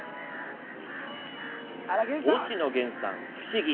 星野源さん、「不思議」。